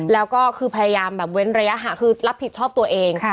แล้วก็คือพยายามแบบเว้นระยะห่างคือรับผิดชอบตัวเอง